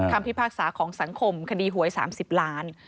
พิพากษาของสังคมคดีหวย๓๐ล้าน